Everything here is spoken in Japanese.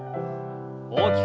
大きく。